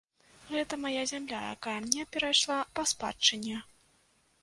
Гэта мая зямля, якая мне перайшла па спадчыне.